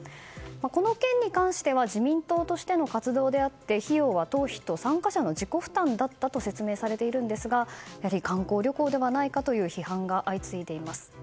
この件に関しては自民党としての活動であって費用は党費と参加者の自己負担だったと説明されているんですがやはり観光旅行ではないかという批判が相次いでいます。